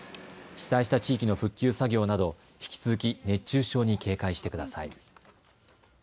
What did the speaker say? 被災した地域の復旧作業など引き続き熱中症に警戒してください。